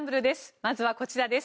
まずは、こちらです。